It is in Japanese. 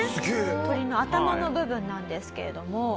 鳥の頭の部分なんですけれども。